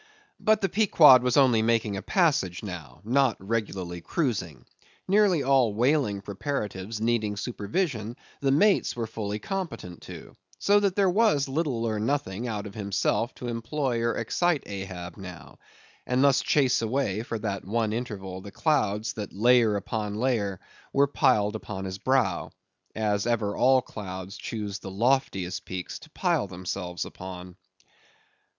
But the Pequod was only making a passage now; not regularly cruising; nearly all whaling preparatives needing supervision the mates were fully competent to, so that there was little or nothing, out of himself, to employ or excite Ahab, now; and thus chase away, for that one interval, the clouds that layer upon layer were piled upon his brow, as ever all clouds choose the loftiest peaks to pile themselves upon.